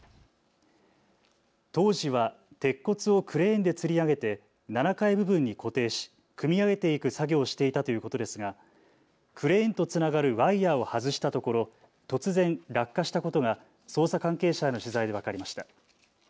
当時は鉄骨をクレーンでつり上げて７階部分に固定し組み上げていく作業をしていたということですがクレーンとつながるワイヤーを外したところ突然落下したことが捜査関係者への取材で分かりました。